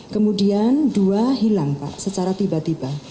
kemudian dua hilang pak secara tiba tiba